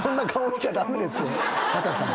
畑さん。